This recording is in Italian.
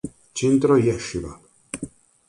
Centro Yeshivah